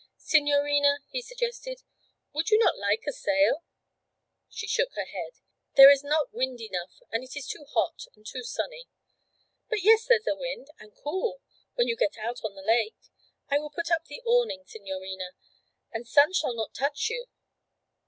'Signorina,' he suggested, 'would you not like a sail?' She shook her head. 'There is not wind enough and it is too hot and too sunny.' 'But yes, there's a wind, and cool when you get out on the lake. I will put up the awning, signorina, the sun shall not touch you.'